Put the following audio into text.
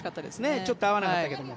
ちょっと合わなかったけど。